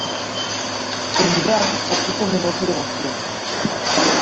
En hivern ocupa menors elevacions.